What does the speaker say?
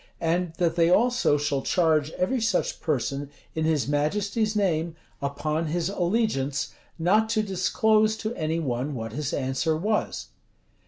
And that they also shall charge every such person, in his majesty's name, upon his allegiance, not to disclose to any one what his answer was."